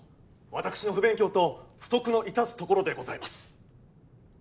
私の不勉強と不徳の致すところでございます。